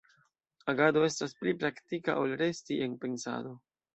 Agado estas pli praktika ol resti en pensado.